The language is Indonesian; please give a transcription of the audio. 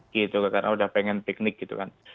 gitu karena udah pengen piknik gitu kan